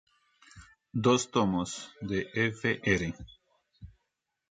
Dos tomos, de Fr.